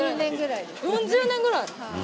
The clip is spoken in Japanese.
４０年ぐらい！